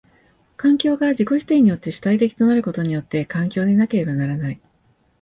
環境が自己否定によって主体的となることによって環境でなければならない。